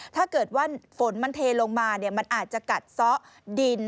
ถ้าเกิดว่าฝนมันเทลงมามันอาจจะกัดซ้อดิน